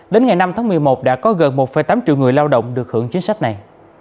đến ngày năm tháng một mươi một đã có gần một tám triệu người lao động được hưởng chính sách này